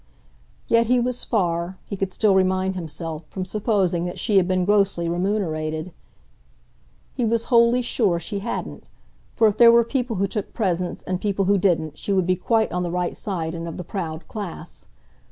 Yet he was far, he could still remind himself, from supposing that she had been grossly remunerated. He was wholly sure she hadn't; for if there were people who took presents and people who didn't she would be quite on the right side and of the proud class.